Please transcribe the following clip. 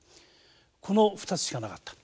この２つしかなかった。